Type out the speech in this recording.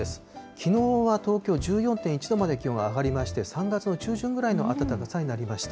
きのうは東京１４．１度まで気温が上がりまして、３月の中旬ぐらいの暖かさになりました。